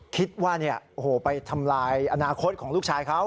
คิดว่าไปทำลายอนาคตของลูกชายเขา